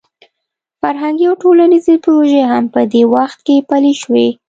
فرهنګي او ټولنیزې پروژې هم په دې وخت کې پلې شوې.